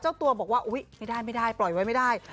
เจ้าตัวบอกว่าไม่ได้ปล่อยไว้ไม่ได้